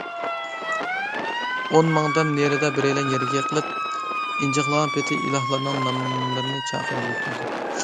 ئون ماڭدام نېرىدا بىرەيلەن يەرگە يىقىلىپ، ئىنجىقلىغان پېتى ئىلاھلارنىڭ ناملىرىنى چاقىرغىلى تۇردى.